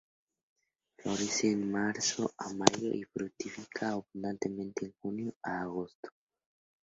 Florece de marzo a mayo y fructifica abundantemente de junio a agosto.